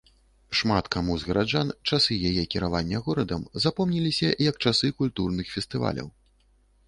Шмат каму з гараджан часы яе кіравання горадам запомніліся як часы культурных фестываляў.